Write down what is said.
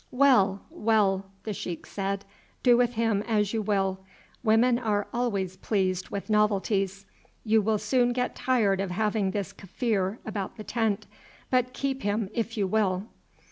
"Well, well!" the sheik said, "do with him as you will; women are always pleased with novelties. You will soon get tired of having this Kaffir about the tent, but keep him if you will."